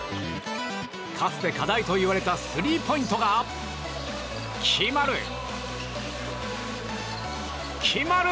かつて、課題と言われたスリーポイントが決まる！